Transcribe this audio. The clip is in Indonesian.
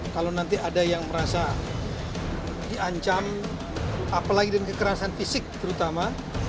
kalau nanti ada yang merasa diancam apalagi dengan kekerasan fisik terutama